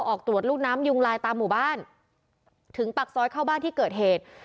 ออกตรวจลูกน้ำยุงลายตามหมู่บ้านถึงปากซอยเข้าบ้านที่เกิดเหตุ